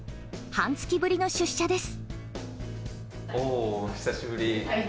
半月ぶりの出社です。